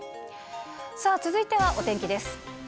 さあ、続いてはお天気です。